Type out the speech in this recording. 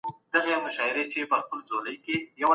مهمي پریکړې په ګډه وسوې.